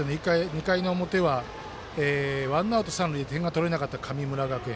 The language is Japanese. ２回の表は、ワンアウト、三塁で点が取れなかった神村学園。